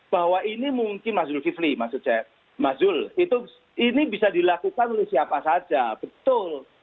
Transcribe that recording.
bahwa ini mungkin mas zulkifli maksud saya mas zul ini bisa dilakukan oleh siapa saja betul